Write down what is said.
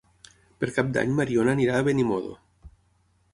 Per Cap d'Any na Mariona irà a Benimodo.